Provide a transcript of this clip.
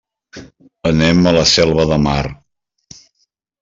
Anem a la Selva de Mar.